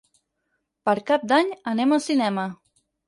Per Cap d'Any anem al cinema.